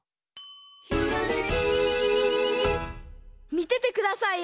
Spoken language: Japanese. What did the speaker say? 「ひらめき」みててくださいよ！